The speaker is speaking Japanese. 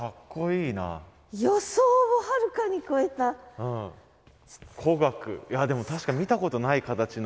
いやでも確かに見たことない形の弦楽器が。